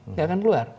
nggak akan keluar